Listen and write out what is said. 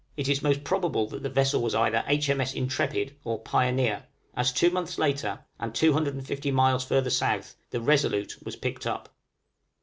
It is most probable that the vessel was either H.M.S. 'Intrepid' or 'Pioneer,' as two months later, and 250 miles further south, the 'Resolute' was picked up.